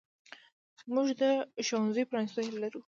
موږ د ښوونځیو پرانیستو هیله لرو.